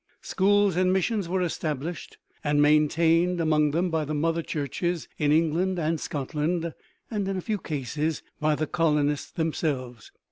Schools and missions were established and maintained among them by the mother churches in England and Scotland, and in a few cases by the colonists themselves.